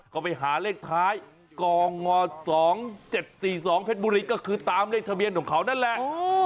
ก็ไปหาเลขท้ายกง๒๗๔๒เพชรบุรีก็คือตามเลขทะเบียนของเขานั่นแหละ